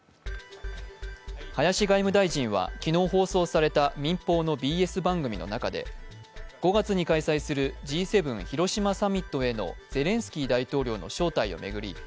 林外務大臣は昨日放送された民放のＢＳ番組の中で５月に開催するＧ７広島サミットへのゼレンスキー大統領の招待を巡り